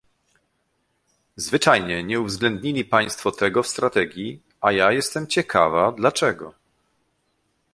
Zwyczajnie nie uwzględnili państwo tego w strategii, a ja jestem ciekawa, dlaczego